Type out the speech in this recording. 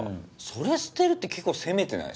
それ捨てるって結構攻めてないっすか？